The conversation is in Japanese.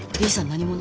何者？